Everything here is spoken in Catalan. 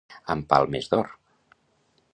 Amb palmes d'or.